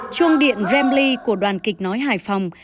chuông điện rambly của đoàn kịch nói hải phòng